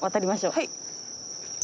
はい。